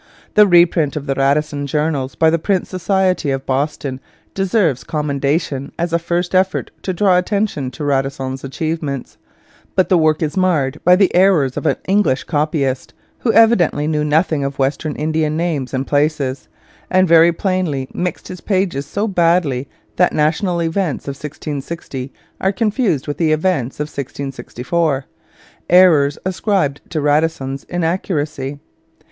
The reprint of the Radisson Journals by the Prince Society of Boston deserves commendation as a first effort to draw attention to Radisson's achievements; but the work is marred by the errors of an English copyist, who evidently knew nothing of Western Indian names and places, and very plainly mixed his pages so badly that national events of 1660 are confused with events of 1664, errors ascribed to Radisson's inaccuracy.